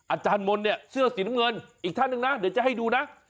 อาจารย์มนต์เนี่ยเสื้อสีน้ำเงินอีกท่านหนึ่งนะเดี๋ยวจะให้ดูนะ